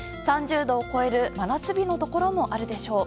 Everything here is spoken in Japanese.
３０度を超える真夏日のところもあるでしょう。